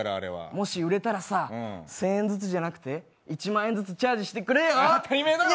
もし売れたらさ、１０００円ずつじゃなくて１万円ずつチャージしてくれよ。